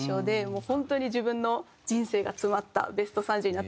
もう本当に自分の人生が詰まったベスト３０になってます。